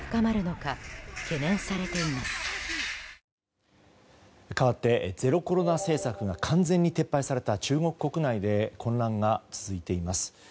かわってゼロコロナ政策が完全に撤廃された中国国内で混乱が続いています。